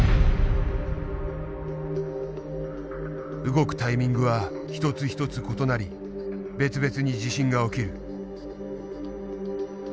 動くタイミングは一つ一つ異なり別々に地震が起きる。